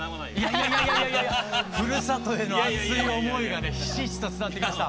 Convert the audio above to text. ふるさとへの熱い思いがねひしひしと伝わってきました。